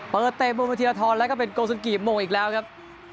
เปิดเตะมุมโดยทีลท้อนแล้วก็เป็นโกซุนกิโมงอีกแล้วครับ